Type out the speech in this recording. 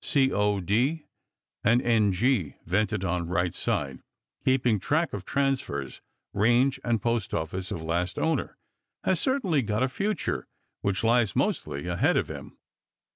Q.," "C. O. D.," and "N. G." vented on right side, keeping track of transfers, range and post office of last owner, has certainly got a future, which lies mostly ahead of him.